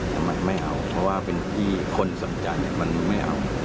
ทำไมไม่เอาเพราะว่าเป็นคนสำจรรย์มันไม่เอา